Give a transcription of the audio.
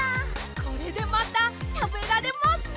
これでまたたべられますね！